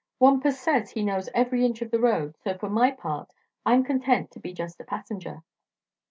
Wampus says he knows every inch of the road, so for my part I'm content to be just a passenger."